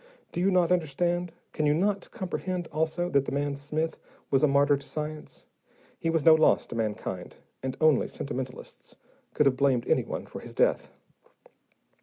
Do you not understand, can you not comprehend, also, that the man Smith was a martyr to science? He was no loss to mankind, and only sentimentalists could have blamed anyone for his death.